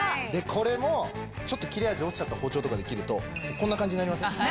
これもちょっと切れ味落ちちゃった包丁とかで切るとこんな感じになりません？